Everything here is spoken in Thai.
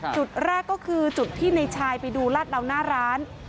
จุดแรกก็คือจุดที่ในชายไปดูลาดเหล่าหน้าร้าน